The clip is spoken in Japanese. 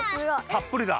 たっぷりだ。